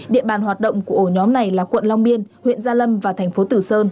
địa bàn hoạt động của ổ nhóm này là quận long biên huyện gia lâm và thành phố tử sơn